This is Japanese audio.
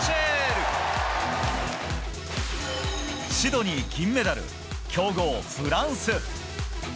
シドニー銀メダル強豪、フランス。